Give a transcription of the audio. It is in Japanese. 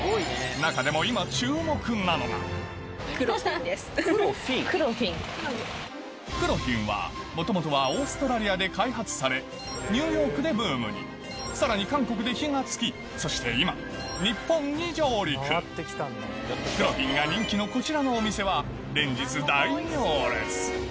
中でもクロフィンはもともとはオーストラリアで開発されニューヨークでブームにさらに韓国で火が付きそして今日本に上陸クロフィンが人気のこちらのお店は連日大行列